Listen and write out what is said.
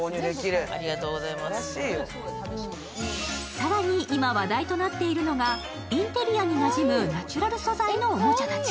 更に今、話題となっているのがインテリアになじむナチュラル素材のおもちゃたち。